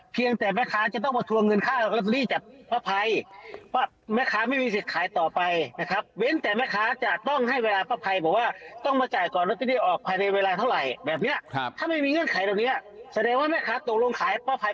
เพียงแต่แม่ค้าจะต้องมาทวงเงินค่าร็อเตอรี่จับพระภัยว่าแม่ค้าไม่มีสิทธิ์ขายต่อไปนะครับเว้นแต่แม่ค้าจะต้องให้เวลาพระภัยบอกว่าต้องมาจ่ายก่อนร็อเตอรี่ออกภายในเวลาเท่าไหร่แบบเนี้ย